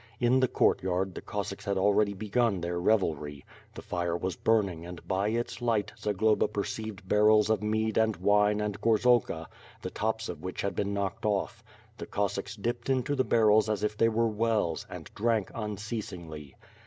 In the courtyard, the Cossacks had already begun their revelry; the fire was burning and by its light Zagloba perceived barrels of mead and wine and gorzalka, the tops of which had been knocked off. The Cossacks dipped into the barrels as if they were wells, and drank unceasingly.